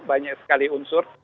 banyak sekali unsur